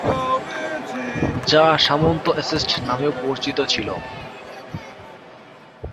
যা সামন্ত এস্টেট নামেও পরিচিত ছিল।